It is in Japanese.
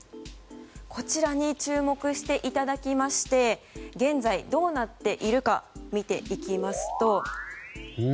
こちらに注目していただきまして現在、どうなっているか見ていきますと。